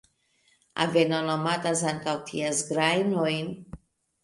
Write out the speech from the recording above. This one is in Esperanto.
Aveno nomatas ankaŭ ties grajnoj.